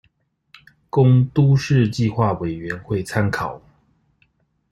供都市計畫委員會參考